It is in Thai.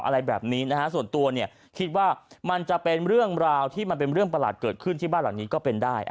อะไรแบบนี้นะฮะส่วนตัวเนี่ยคิดว่ามันจะเป็นเรื่องราวที่มันเป็นเรื่องประหลาดเกิดขึ้นที่บ้านหลังนี้ก็เป็นได้